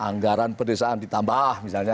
anggaran perdesaan ditambah misalnya